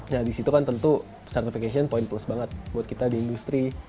nah disitu kan tentu certification point plus banget buat kita di industri